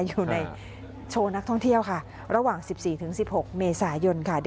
อยู่ในโชว์นักท่องเที่ยวค่ะระหว่าง๑๔๑๖เมษายนค่ะ